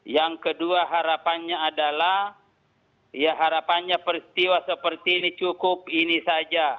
yang kedua harapannya adalah ya harapannya peristiwa seperti ini cukup ini saja